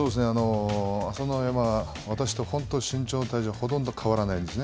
朝乃山は、私と本当、身長体重、ほとんど変わらないんですね。